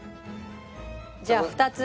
じゃあ２つ。